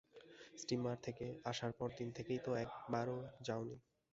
Steamer থেকে আসার পরদিন থেকে তো একবারও যাও নি।